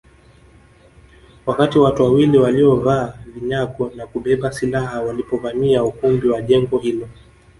Wakati watu wawili waliovaa vinyago na kubeba silaha walipovamia ukumbi wa jengo hilo